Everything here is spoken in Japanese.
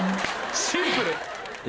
シンプル。